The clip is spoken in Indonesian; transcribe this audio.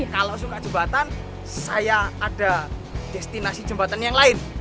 kalau suka jembatan saya ada destinasi jembatan yang lain